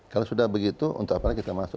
kalau sudah begitu untuk apa lagi kita masuk